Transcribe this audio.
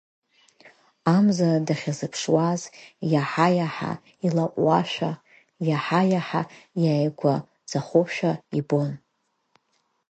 Амза дахьазыԥшуаз, иаҳа-иаҳа илаҟәуашәа, иаҳа-иаҳа иааигәаӡахошәа ибон…